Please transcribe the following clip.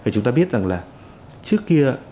chúng ta biết rằng là trước kia